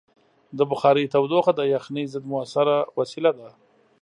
د بخارۍ تودوخه د یخنۍ ضد مؤثره وسیله ده.